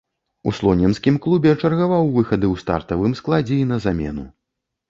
У слонімскім клубе чаргаваў выхады ў стартавым складзе і на замену.